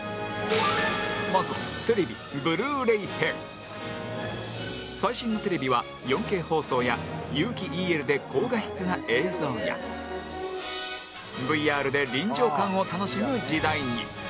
まずは最新のテレビは ４Ｋ 放送や有機 ＥＬ で高画質な映像や ＶＲ で臨場感を楽しむ時代に